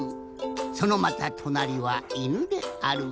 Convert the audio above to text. そのまたとなりはいぬである。